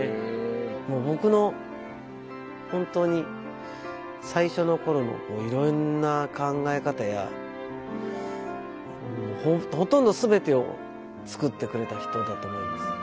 もう僕の本当に最初の頃のいろんな考え方やほとんど全てを作ってくれた人だと思います。